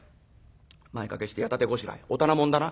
前掛けして矢立てごしらえお店者だな？